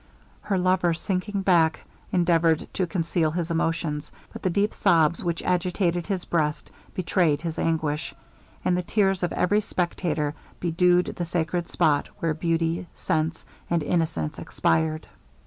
Her lover sinking back, endeavoured to conceal his emotions, but the deep sobs which agitated his breast betrayed his anguish, and the tears of every spectator bedewed the sacred spot where beauty, sense, and innocence expired.